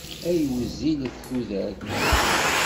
Ay wezzilet tudert!